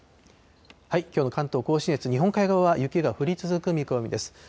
きょうの関東甲信越、日本海側、雪が降り続く見込みです。